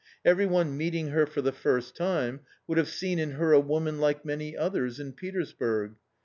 Every one meeting her for the first time would have seen in her a woman like many others in Petersburg.